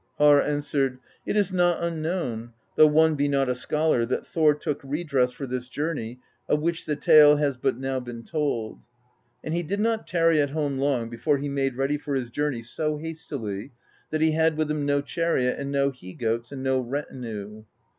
Harr answered: "It is not unknown, though one be not a scholar, that Thor took redress for this journey of which the tale has but now been told; and he did not tarry at home long before he made ready for his journey so hastily that he had with him no chariot and no he goats and no retinue.